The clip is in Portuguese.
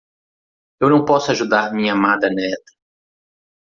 Eu não posso ajudar minha amada neta.